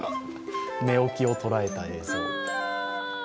寝起きを捉えた映像。